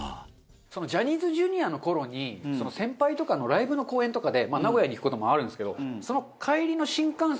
ジャニーズＪｒ．の頃に先輩とかのライブの公演とかで名古屋に行く事もあるんですけどその。